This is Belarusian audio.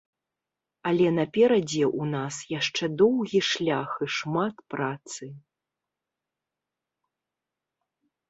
Але наперадзе у нас яшчэ доўгі шлях і шмат працы.